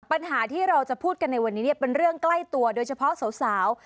ปัญหาที่เราจะพูดกันในวันนี้เป็นเรื่องใกล้ตัวโดยเฉพาะสาว